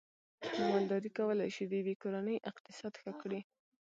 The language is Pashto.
مالداري کولای شي د یوې کورنۍ اقتصاد ښه کړي